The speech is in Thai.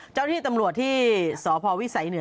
เจ้าหน้าที่ตำรวจที่สพวิสัยเหนือ